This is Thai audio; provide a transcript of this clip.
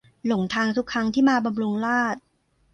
หลงทางทุกครั้งที่มาบำรุงราษฎร์